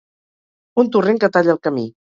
Un torrent que talla el camí.